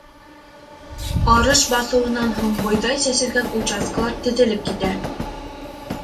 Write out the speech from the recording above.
Арыш баҫыуынан һуң бойҙай сәселгән участкалар теҙелеп китә.